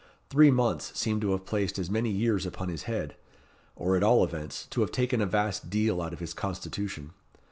Three months seemed to have placed as many years upon his head; or, at all events, to have taken a vast deal out of his constitution.